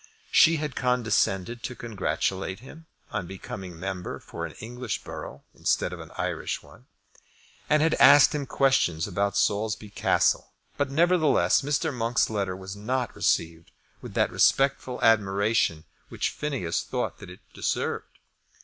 She had condescended to congratulate him on becoming member for an English borough instead of an Irish one, and had asked him questions about Saulsby Castle. But, nevertheless, Mr. Monk's letter was not received with that respectful admiration which Phineas thought that it deserved.